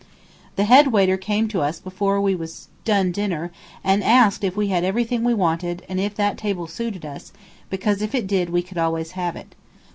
The head waiter came to us before we was done dinner and asked if we had everything we wanted and if that table suited us, because if it did we could always have it.